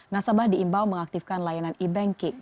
nasabah diimbau mengaktifkan layanan e banking